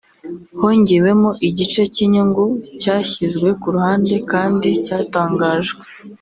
hongewemo igice cy’inyungu cyashyizwe ku ruhande kandi cyatangajwe